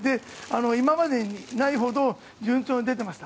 今までにないほど順調に出ていました。